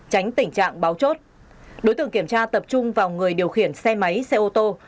tránh tình trạng báo chốt đối tượng kiểm tra tập trung vào người điều khiển xe máy xe ô tô